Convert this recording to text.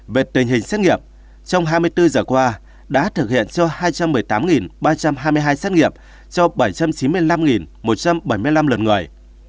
về tình hình xét nghiệm trong hai mươi bốn giờ qua đã thực hiện cho hai trăm một mươi tám ba trăm hai mươi hai xét nghiệm cho bảy trăm chín mươi năm một trăm bảy mươi năm lượt người